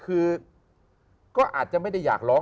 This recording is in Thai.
คือก็อาจจะไม่ได้อยากร้อง